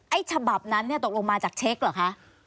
ไอ้ฉบับนั้นตกลงมาจากเช็กหรือคะ